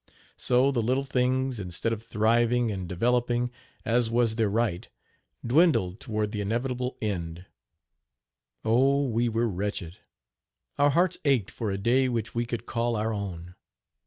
So the little things, instead of thriving and developing, as was their right, dwindled toward the inevitable end. Oh! we were wretched our hearts ached for a day which we could call our own.